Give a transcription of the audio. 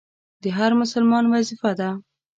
دا د هر مسلمان وظیفه ده.